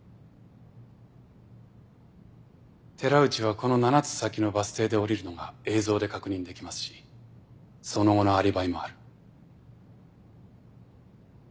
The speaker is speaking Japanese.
寺内はこの７つ先のバス停で降りるのが映像で確認できますしその後のアリバイもある。